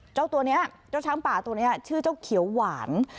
เจ้าตัวนี้เจ้าช้างป่าตัวนี้ชื่อเจ้าเขียวหวาน